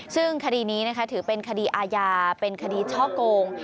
ซึ่งคดีนี้ถือเป็นคดีอาญาเป็นคดีช่อโกง